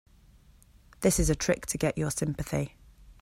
This is a trick to get your sympathy.